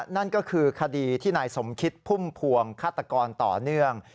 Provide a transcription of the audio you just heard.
นั่นก็คือคดีที่นายสมคิดพุ่มพวงฆาตกรต่อเนื่อง